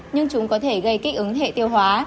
nhưng chúng có thể gây kích ứng hệ tiêu hóa